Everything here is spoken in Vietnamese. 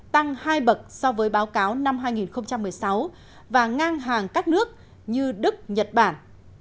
tăng hai bậc so với báo cáo năm hai nghìn một mươi sáu và ngang hàng các nước như đức nhật bản